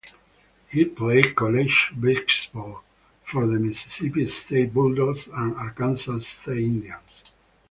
He played college basketball for the Mississippi State Bulldogs and Arkansas State Indians.